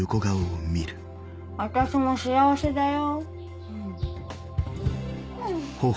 私も幸せだよ